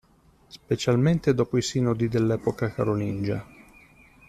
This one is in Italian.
Specialmente dopo i sinodi dell'epoca carolingia.